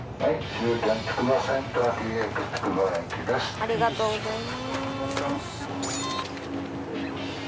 ありがとうございます。